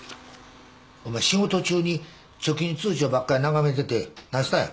お前仕事中に貯金通帳ばっかり眺めてて何したんや？